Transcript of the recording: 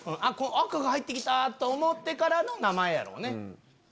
赤が入って来たと思ってからの名前やろうね。